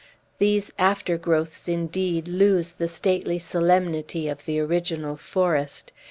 These after growths, indeed, lose the stately solemnity of the original forest.